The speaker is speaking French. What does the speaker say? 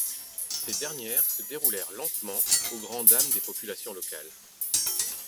Ces dernières se déroulèrent lentement au grand dam des populations locales.